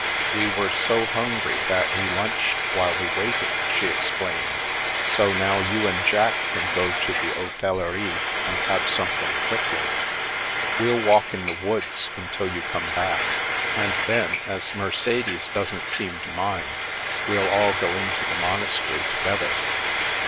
" We were so hungry, that we lunched while we waited," she explained, " so now you and Jack can go to the hotellerie and have something quiddy. We'll walk in the woods until you come back, and then, as 340 The Princess Passes Mercedes doesn't seem to mind, we'll all go into the monastery together."